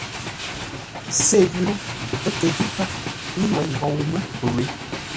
Sê ghʉ ńgó, ə́ kə ghî pə́, mə́i wěi ghou mə́ pəwě.